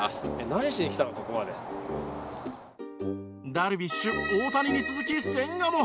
ダルビッシュ大谷に続き千賀も。